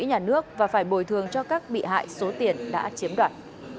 nhà nước và phải bồi thường cho các bị hại số tiền đã chiếm đoạt